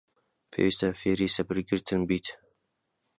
پێویستە فێری سەبرگرتن بیت.